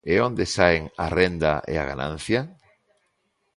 E onde saen a renda e a ganancia?